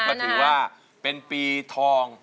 ก็ถือว่าเป็นปีทอง